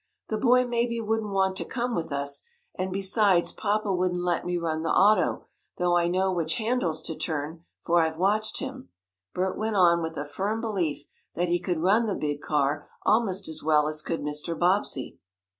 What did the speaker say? "The boy maybe wouldn't want to come with us, and besides, papa wouldn't let me run the auto, though I know which handles to turn, for I've watched him," Bert went on, with a firm belief that he could run the big car almost as well as could Mr. Bobbsey.